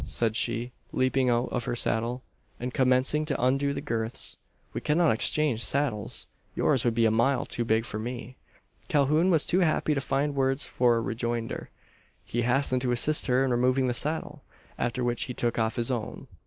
said she, leaping out of her saddle, and commencing to undo the girths, "We cannot exchange saddles: yours would be a mile too big for me!" Calhoun was too happy to find words for a rejoinder. He hastened to assist her in removing the saddle; after which he took off his own.